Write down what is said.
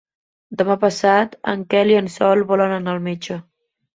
Demà passat en Quel i en Sol volen anar al metge.